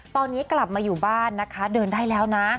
ตอนนี้กลับมาอยู่บ้านนะคะเดินได้แล้วนะ